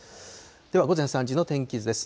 では午前３時の天気図です。